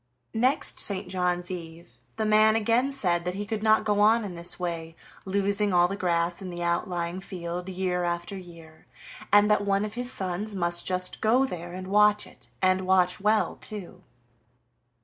Next St. John's eve the man again said that he could not go on in this way, losing all the grass in the outlying field year after year, and that one of his sons must just go there and watch it, and watch well too.